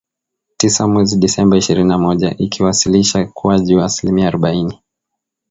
tisa mwezi Disemba ishirini na moja ikiwasilisha ukuaji wa asilimia arubaini